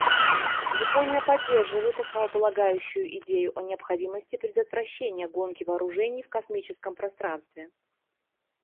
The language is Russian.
Япония поддерживает основополагающую идею о необходимости предотвращения гонки вооружений в космическом пространстве.